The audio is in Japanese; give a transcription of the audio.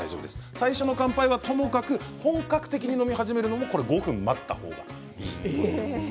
最初の乾杯はともかく本格的に飲み始めるのに５分、待った方がいいということです。